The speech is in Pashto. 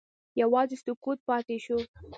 یوازې سکوت پاتې شو.